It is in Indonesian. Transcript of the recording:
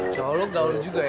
sya allah gaul juga ya